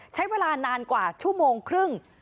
ใช้เวลานานกว่าชั่วโมงครึ่ง